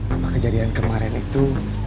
apa kejadian kemarin itu